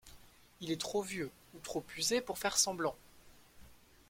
Il est trop vieux, ou trop usé pour faire semblant.